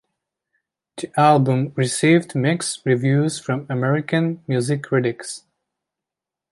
The album received mixed reviews from American music critics.